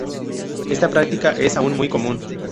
Esta práctica es aún muy común.